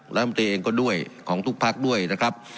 รองกลุ่มตรีเองก็ด้วยของทุกภาคด้วยนะครับ